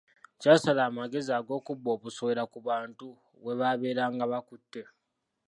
Kyasala amagezi ag’okubba obusowera ku bantu bwebaabeeranga bakutte.